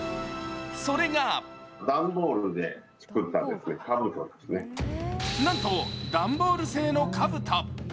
それがなんと段ボール製のかぶと。